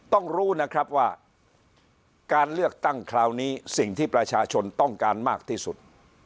ต้องรู้นะครับว่าการเลือกตั้งคราวนี้สิ่งที่ประชาชนต้องการมากที่สุด